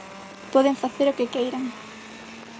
Poden facer o que queiran.